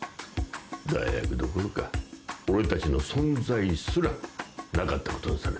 代役どころか俺たちの存在すらなかったことにされてる。